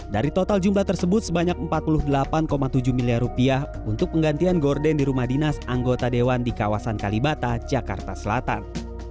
dari total jumlah tersebut sebanyak empat puluh delapan tujuh miliar rupiah untuk penggantian gorden di rumah dinas anggota dewan di kawasan kalibata jakarta selatan